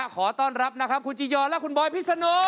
ขอต้อนรับนะครับคุณจียอนและคุณบอยพิษโน